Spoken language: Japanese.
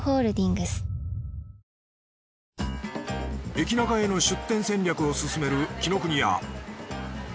駅ナカへの出店戦略を進める紀ノ国屋